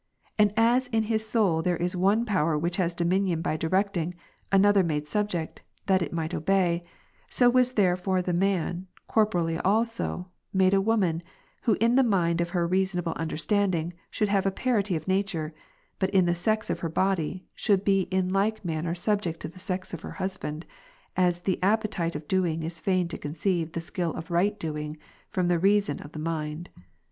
And as in his soul there is one power which has dominion l)y directing, another made subject, that it might obey ; so was there for the man, corporeally also, made a woman, who in the mind of her reasonable understanding should have a parity of nature, but in the sex of her body, should be in like manner subject to the sex of her husband, as the appetite of doing is fain to con ceive ° the skill of right doing, from the reason of the mind.